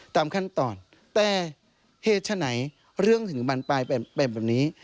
ตามขั้นตอนแต่เหตุฉะไหนเรื่องถึงบรรปลายเป็นแบบนี้